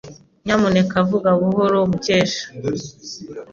Nyamuneka vuga buhoro, Mukesha.